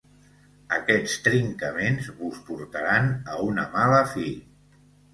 Aquests trincaments vos portaran a una mala fi.